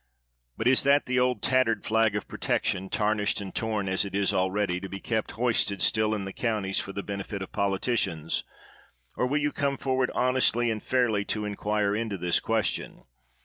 But is that old tattered flag of protection, tarnished and torn as it is already, to be kept hoistea still in the counties for the benefit of politicians; or will you come forward honestly and fairlj' to inquire into this question?